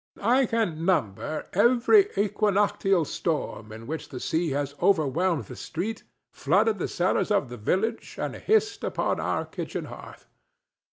I can number every equinoctial storm in which the sea has overwhelmed the street, flooded the cellars of the village and hissed upon our kitchen hearth.